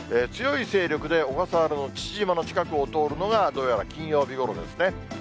強い勢力で小笠原の父島の近くを通るのがどうやら金曜日ごろですね。